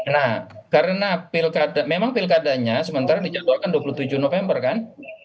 nah karena memang pilkadanya sementara dijadwalkan dua puluh tujuh november kan